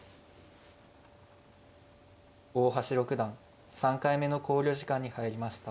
大橋六段３回目の考慮時間に入りました。